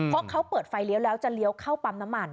เพราะเขาเปิดไฟเลี้ยวแล้วจะเลี้ยวเข้าปั๊มน้ำมัน